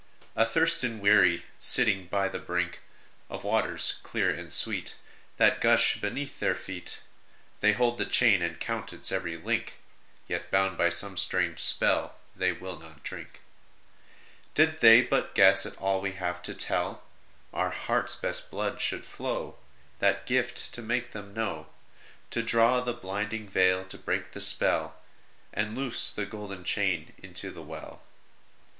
Athirst and weary, sitting by the brink Of waters clear and sweet That gush beneath their feet, They hold the chain, and count its every link, Yet, bound by some strange spell, they will not drink. Did they but guess at all we have to tell ! Our hearts best blood should flow That gift to make them know : To draw the blinding veil, to break the spell, And loose the golden chain into the well.